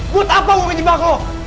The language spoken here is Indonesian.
buat apa gua ngejebak lo